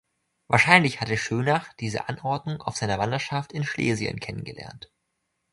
Wahrscheinlich hatte Schönach diese Anordnung auf seiner Wanderschaft in Schlesien kennengelernt.